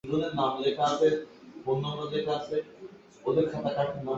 রাজু নেপালের প্রথম ক্রিকেট খেলয়াড় হিসেবে আন্তর্জাতিক শতক বা সেঞ্চুরি করেন।